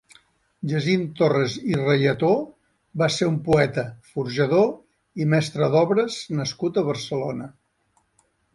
Jacint Torres i Reyató va ser un poeta, forjador i mestre d'obres nascut a Barcelona.